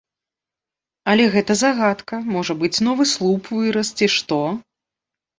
Але гэта загадка, можа быць, новы слуп вырас ці што.